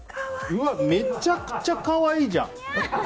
めちゃくちゃ可愛いじゃん！